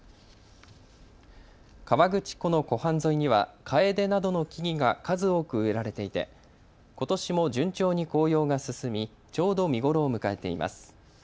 河口湖の湖畔沿いにはカエデなどの木々が数多く植えられていてことしも順調に紅葉が進みちょうど見頃を迎えています。